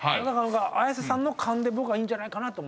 綾瀬さんの勘で僕はいいんじゃないかなと。